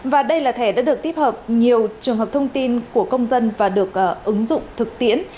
và đây là thẻ đã được tích hợp nhiều trường hợp thông tin của công dân và được ứng dụng thực tiễn